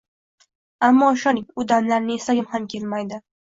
Ammo ishoning, u damlarni eslagim ham kelmaydi